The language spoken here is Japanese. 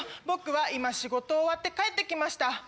「僕は今仕事終わって帰って来ました」。